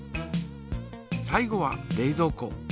最後は冷ぞう庫。